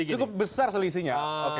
cukup besar selisihnya